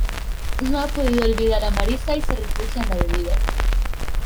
No ha podido olvidar a Marissa y se refugia en la bebida.